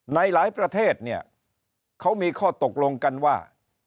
ในหลายประเทศเนี่ยเขามีข้อตกลงกันว่า